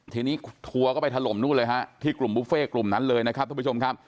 ทีนี้ทัวร์ก็ไปถล่มนู่นเลยฮะที่กลุ่มบุฟเฟ่กลุ่มนั้นเลยนะครับทุกผู้ชมครับ